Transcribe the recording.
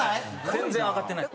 全然上がってない。